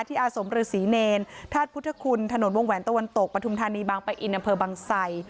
อาสมฤษีเนรธาตุพุทธคุณถนนวงแหวนตะวันตกปฐุมธานีบางปะอินอำเภอบางไซ